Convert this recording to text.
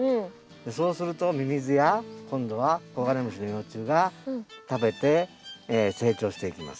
そうするとミミズや今度はコガネムシの幼虫が食べて成長していきます。